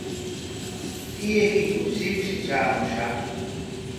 ¿Tiyaykiku shipshi traamushqa?